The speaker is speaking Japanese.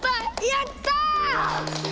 やった！